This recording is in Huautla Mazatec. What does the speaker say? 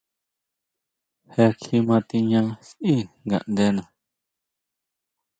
Je kjima tiña sʼí ngaʼndena.